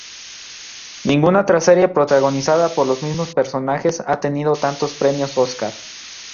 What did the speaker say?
Ninguna otra serie protagonizada por los mismos personajes ha obtenido tantos premios Óscar.